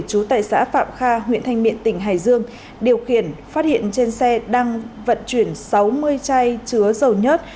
chú tại xã phạm kha huyện thanh miện tỉnh hải dương điều khiển phát hiện trên xe đang vận chuyển sáu mươi chai chứa dầu nhớt